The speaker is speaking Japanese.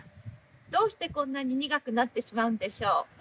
どうしてこんなに苦くなってしまうんでしょう？